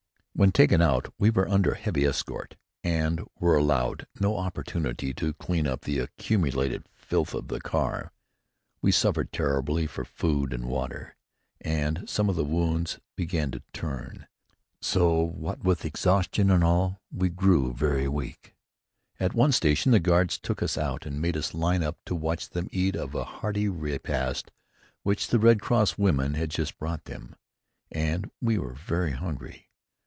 When taken out we were under heavy escort and were allowed no opportunity to clean up the accumulated filth of the car. We suffered terribly for food and water, and some of the wounds began to turn, so that what with exhaustion and all, we grew very weak. At one station the guards took us out and made us line up to watch them eat of a hearty repast which the Red Cross women had just brought them. And we were very hungry.